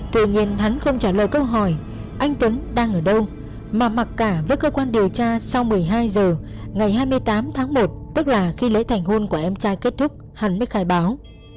tuy nhiên hắn không trả lời câu hỏi anh tuấn đang ở đâu mà mặc cả với cơ quan điều tra sau một mươi hai h ngày hai mươi tám tháng một tức là khi lễ thành hôn của em trai kết thúc hắn mới khai báo